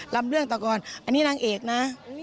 ลำเรื่องต่อก่อนอันนี้นางเอกนะ